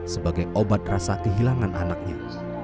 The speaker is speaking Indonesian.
sebagai obat rasa kehilangan anaknya